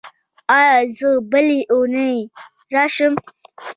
ایا زه بلې اونۍ راشم؟